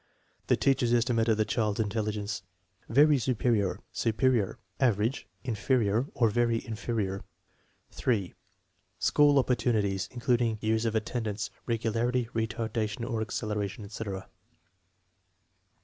The teacher's estimate of the child's intelligence (very su perior, superior, average, inferior, or very inferior). 3. School opportunities, including years of attendance, regu larity, retardation or acceleration, etc. 4.